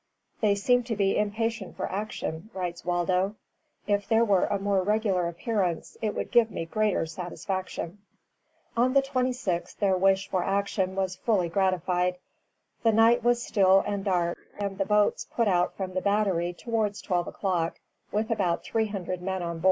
"They seem to be impatient for action," writes Waldo. "If there were a more regular appearance, it would give me greater sattysfaction." [Footnote: Ibid., 26 May, 1745.] On the 26th their wish for action was fully gratified. The night was still and dark, and the boats put out from the battery towards twelve o'clock, with about three hundred men on board.